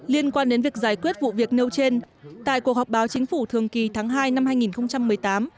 liên quan đến việc giải quyết vụ việc nêu trên tại cuộc họp báo chính phủ thường kỳ tháng hai năm hai nghìn một mươi tám